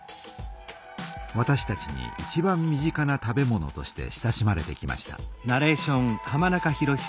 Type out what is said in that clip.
わたしたちにいちばん身近な食べ物として親しまれてきました。